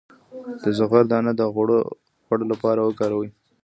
د زغر دانه د غوړ لپاره وکاروئ